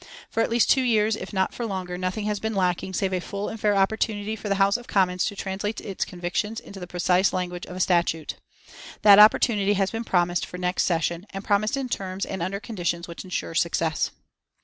For at least two years, if not for longer, nothing has been lacking save a full and fair opportunity for the House of Commons to translate its convictions into the precise language of a statute. That opportunity has been promised for next session and promised in terms and under conditions which ensure success."